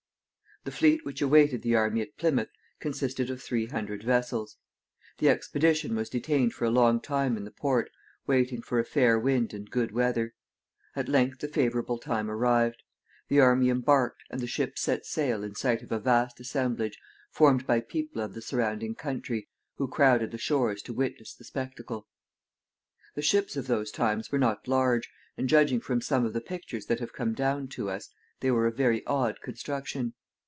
The fleet which awaited the army at Plymouth consisted of three hundred vessels. The expedition was detained for a long time in the port, waiting for a fair wind and good weather. At length the favorable time arrived. The army embarked, and the ships set sail in sight of a vast assemblage, formed by people of the surrounding country, who crowded the shores to witness the spectacle. The ships of those times were not large, and, judging from some of the pictures that have come down to us, they were of very odd construction.